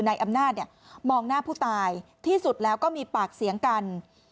นายอำนาจมองหน้าผู้ตายที่สุดแล้วก็มีปากเสียงกัน